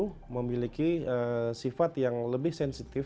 hanya mungkin ketuhan yang mudah dan penuh bisnis